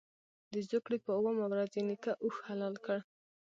د زوکړ ې په اوومه ورځ یې نیکه اوښ حلال کړ.